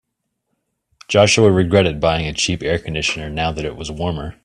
Joshua regretted buying a cheap air conditioner now that it was warmer.